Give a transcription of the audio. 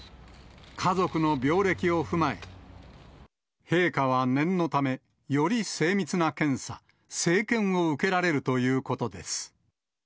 家族の病歴を踏まえ、陛下は念のため、より精密な検査、生検を受けられるということです。